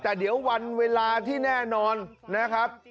แต่เดี๋ยววันเวลาที่แน่นอนนะครับ